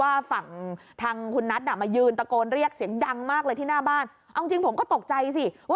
ว่าฝั่งทางคุณนัทอ่ะมายืนตะโกนเรียกเสียงดังมากเลยที่หน้าบ้านเอาจริงผมก็ตกใจสิว่า